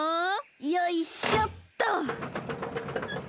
よいしょっと。